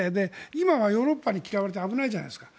今はヨーロッパに嫌われて危ないじゃないですか。